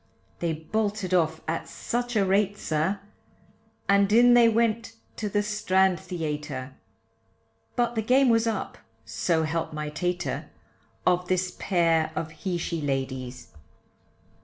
They bolted off at such a rate, sir, And in they went to the Strand Theatre, But the game was up, so help my tater, Of this pair of he she ladies.